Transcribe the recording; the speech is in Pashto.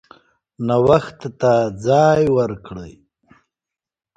نوښت ته ځای ورکړئ.